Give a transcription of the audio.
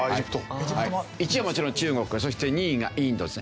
１位はもちろん中国そして２位がインドですね。